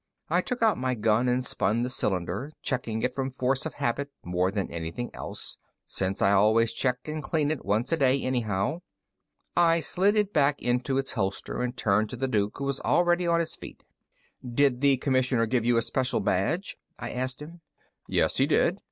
I took out my gun and spun the cylinder, checking it from force of habit more than anything else, since I always check and clean it once a day, anyhow. I slid it back into its holster and turned to the Duke, who was already on his feet. "Did the Commissioner give you a Special Badge?" I asked him. "Yes, he did."